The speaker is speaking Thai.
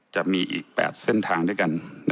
จะมีอีก๘เส้นทางด้วยกัน